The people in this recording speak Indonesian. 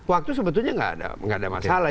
waktu sebetulnya nggak ada masalah